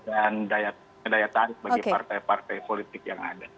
dan daya tarik bagi partai partai politik yang ada